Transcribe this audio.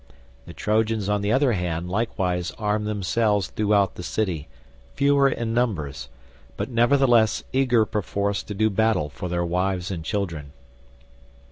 The Trojans on the other hand likewise armed themselves throughout the city, fewer in numbers but nevertheless eager perforce to do battle for their wives and children.